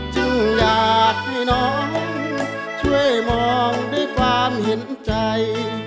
อยากให้น้องช่วยมองด้วยความเห็นใจ